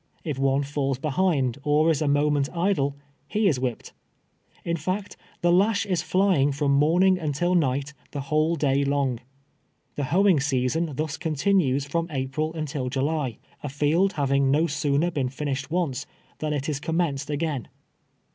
If one falls behind or is a moment idle, he is whipped. Li fact, the lash is flying from morning until night, the whole day long. The hoeing season thus continues from April until Jnly, a field having no sooner been finished once, than it is commenced again.